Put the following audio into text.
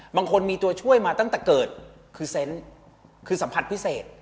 บางคนมีตัวช่วยมาตั้งแต่เกิดคือเซนต์คือสัมผัสพิเศษ